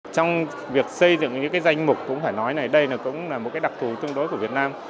trong việc xây dựng những danh mục cũng phải nói này đây cũng là một đặc thù tương đối của việt nam